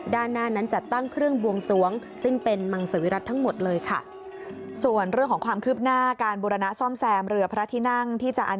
ด้านหน้านั้นจัดตั้งเครื่องบวงสวง